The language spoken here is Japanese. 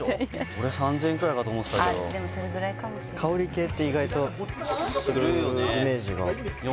俺３０００円くらいかと思ってたけどでもそれぐらいかも香り系って意外とするイメージがするよね